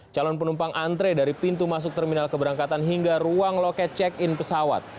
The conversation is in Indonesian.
calon penumpang antre dari pintu masuk terminal keberangkatan hingga ruang loket check in pesawat